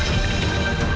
tuhan yang menjaga kita